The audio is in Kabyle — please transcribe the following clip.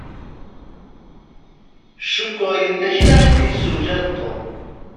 Cukkeɣ yella kra i d-yessewjad Tom.